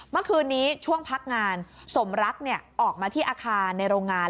เมื่อคืนนี้ช่วงพักงานสมรักออกมาที่อาคารในโรงงาน